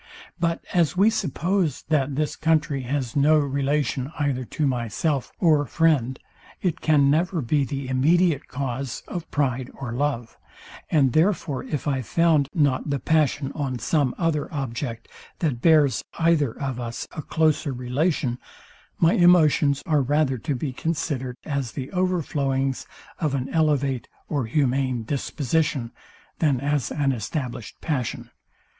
But as we suppose, that this country has no relation either to myself or friend it can never be the immediate cause of pride or love; and therefore if I found not the passion on some other object, that bears either of us a closer relation, my emotions are rather to be considerd as the overflowings of an elevate or humane disposition, than as an established passion.